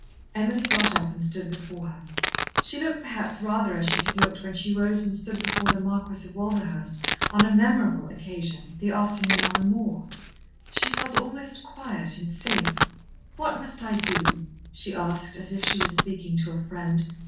Emily got up and stood before her. She looked perhaps rather as she had looked when she rose and stood before the Marquis of Walderhurst on a memorable occasion, the afternoon on the moor. She felt almost quiet, and safe. "What must I do?" she asked, as if she was speaking to a friend.